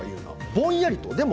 ぼんやりとです。